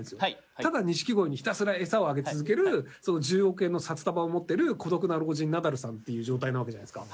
ただニシキゴイにひたすら餌をあげ続ける１０億円の札束を持ってる孤独な老人ナダルさんっていう状態なわけじゃないですか。